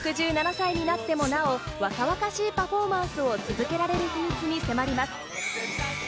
６７歳になってもなお、若々しいパフォーマンスを続けられる秘密に迫ります。